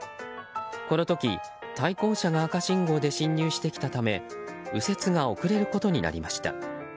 この時、対向車が赤信号で進入してきたため右折が遅れることになりました。